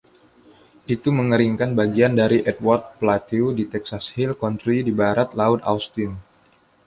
Itu mengeringkan bagian dari Edwards Plateau di Texas Hill Country di barat laut Austin.